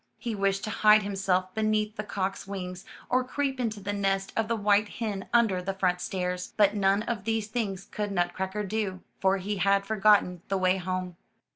He wished to hide himself beneath the cock's wings or creep into the nest of the white hen under the front stairs, but none of these things could Nutcracker do, for he had forgotten the way home.